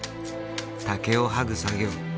竹を剥ぐ作業。